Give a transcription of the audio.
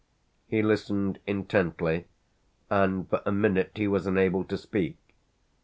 He listened intently and for a minute he was unable to speak.